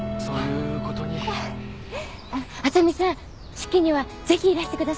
式にはぜひいらしてくださいね。